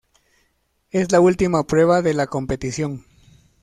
Es la última prueba de la competición.